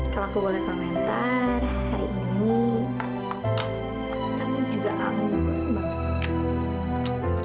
kalau aku boleh komentar hari ini aku juga amat bangat